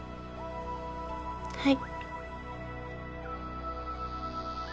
はい。